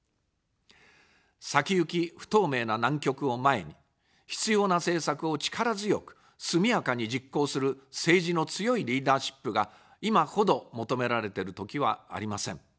先行き不透明な難局を前に、必要な政策を力強く、速やかに実行する政治の強いリーダーシップが、今ほど求められてる時はありません。